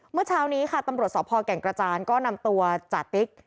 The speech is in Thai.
เมื่อเช้านี้ค่ะตำรวจสพแก่งกระจานก็นำตัวจาติ๊ก